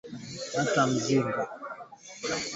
Batu ba mashariki ya kongo wana teswa na vita